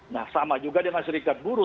nah sama juga dengan serikat buruh